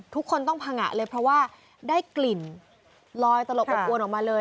ทุกคนต้องผงะเลยเพราะว่าได้กลิ่นลอยตลบอบอวนออกมาเลย